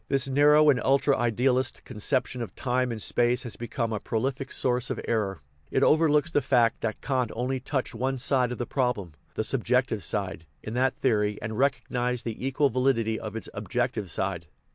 This narrow and ultra idealist conception of time and space has become a prolific source of error. It overlooks the fact that Kant only touched one side of the problem, the subjective side, in that theory, and recognized the equal validity of its objective side.